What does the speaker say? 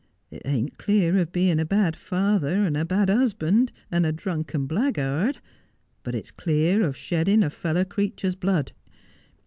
It ain't clear of being a bad father, and a bad husband, and a drunken black guard ; but its clear of shedding a fellow creature's blood.